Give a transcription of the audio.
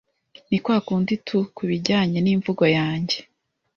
Ni kwakundi tu ku bijyanye n’imvugo yanjye